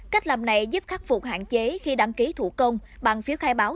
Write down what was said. cách làm này giúp khắc phục hạn chế khi đăng ký thủ công bằng phiếu khai báo